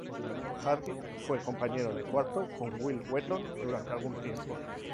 Hardwick fue compañero de cuarto con Wil Wheaton durante algún tiempo.